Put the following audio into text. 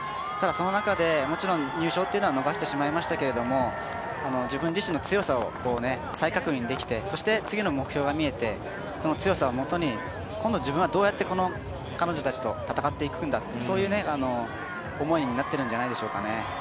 その中で入賞っていうのは逃してしまいましたけども自分自身の強さを再確認できてそして次の目標が見えて強さをもとに、今度、自分はどうやって彼女たちと戦っていくんだそういう思いになってるんじゃないでしょうかね。